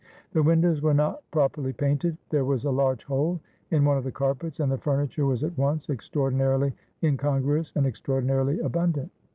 The windows were not properly painted; there was a large hole in one of the carpets ; and the furniture was at once extraordinarily incongruous and extraordinarily abundant.